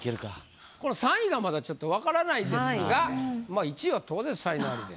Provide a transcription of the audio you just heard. この３位がまだちょっと分からないですが１位は当然才能アリです。